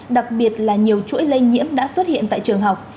đặc biệt là nhiều chuỗi lây nhiễm đã xuất hiện tại trường học